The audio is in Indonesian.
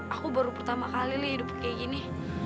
aku baru pertama kali hidup kayak gini